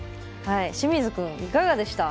清水くん、いかがでした？